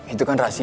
itu kan rahasia